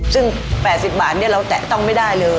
ซึ่ง๘๐บาทเราแตะต้องไม่ได้เลย